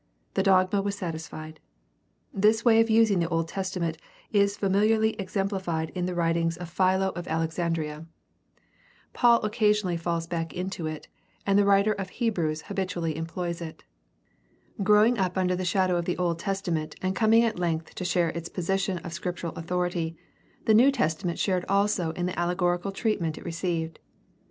The dogma was satisfied. This way of using the Old Testament is familiarly exemplified in the writings of Philo THE STUDY OF THE NEW TESTAMENT 221 of Alexandria. Paul occasionally falls back into it, and the writer to the Hebrews habitually employs it. Growing up under the shadow of the Old Testament and coming at length to share its position of scriptural authority, the New Testament shared also in the allegorical treatment it received.